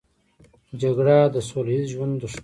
جګړه د سوله ییز ژوند دښمنه ده